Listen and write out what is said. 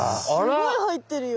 すごい入ってるよ。